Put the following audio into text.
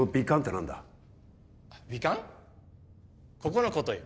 ここのことよ